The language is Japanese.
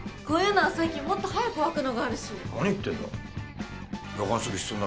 こういうのは最近もっと早く沸くのがあるし。